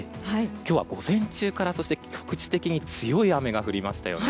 今日は午前中から局地的に強い雨が降りましたね。